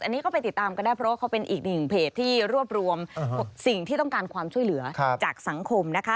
อันนี้ก็ไปติดตามกันได้เพราะว่าเขาเป็นอีกหนึ่งเพจที่รวบรวมสิ่งที่ต้องการความช่วยเหลือจากสังคมนะคะ